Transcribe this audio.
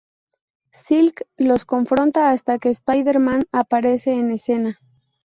Silk los confronta hasta que Spider-Man aparece en escena.